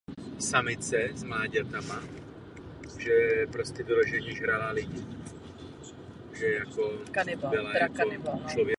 Byl spoluzakladatelem dalších průmyslových závodů v Čechách i na Moravě.